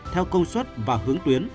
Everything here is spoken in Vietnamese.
theo công suất và hướng tuyến